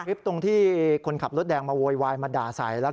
คลิปตรงที่คนขับรถแดงมาโวยวายมาด่าใส่แล้ว